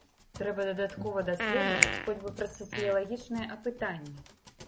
Трэба дадаткова даследаваць хоць бы праз сацыялагічныя апытанні.